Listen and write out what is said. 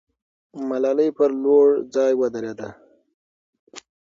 ملالۍ پر لوړ ځای ودرېده.